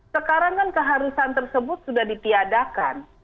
sekarang kan keharusan tersebut sudah ditiadakan